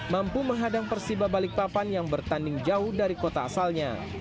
mampu menghadang persiba balikpapan yang bertanding jauh dari kota asalnya